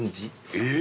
えっ？